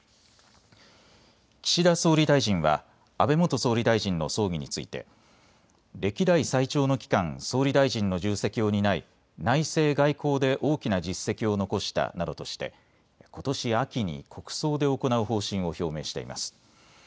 岸田総理大臣は安倍元総理大臣の葬儀について歴代最長の期間、総理大臣の重責を担い、内政・外交で大きな実績を残したなどとしてことし秋に国葬で行う方針を表明しています。